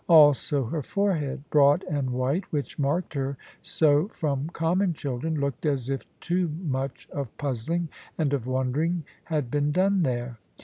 Also her forehead, broad and white, which marked her so from common children, looked as if too much of puzzling and of wondering had been done there.